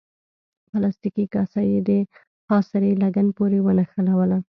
پلاستیکي کاسه یې د خاصرې لګن پورې ونښلوله.